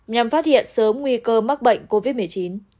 nhằm phát hiện sớm nguy cơ mắc bệnh covid một mươi chín